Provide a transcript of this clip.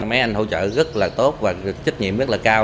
mấy anh hỗ trợ rất là tốt và trách nhiệm rất là cao